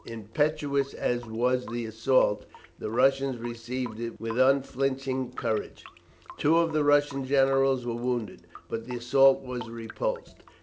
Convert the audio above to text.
Impetuous as was the assault, the Russians received it with unflinching courage; two of the Russian generals were wounded, but the assault was repulsed.